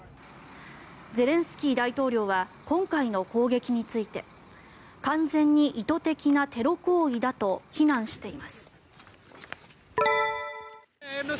ゼレンスキー大統領は今回の攻撃について完全に意図的なテロ行為だと非難しています。